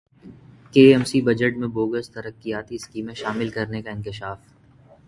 کے M C budget میں bogus ترقیاتی اسکیمیں شامل کرنیکا انکشاف